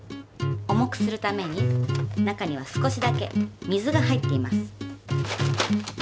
重くするために中には少しだけ水が入っています。